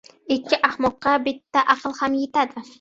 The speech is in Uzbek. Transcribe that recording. • Ikki ahmoqqa bitta aql ham yetadi.